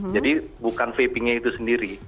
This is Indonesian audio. jadi bukan vapingnya itu sendiri